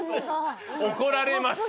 怒られます！